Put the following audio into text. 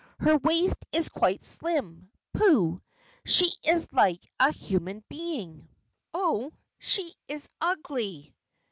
"Her waist is quite slim. Pooh! she is like a human being." "Oh! she is ugly!"